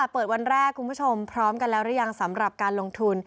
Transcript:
เปิดวันแรกคุณผู้ชมพร้อมกันแล้วหรือยังสำหรับการลงทุน